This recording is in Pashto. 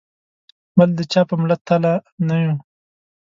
بل د چا په مله تله نه یو.